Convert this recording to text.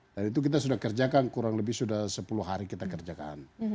dan itu kita sudah kerjakan kurang lebih sudah sepuluh hari kita kerjakan